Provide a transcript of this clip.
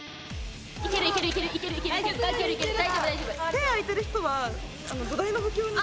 手空いている人は土台の補強に。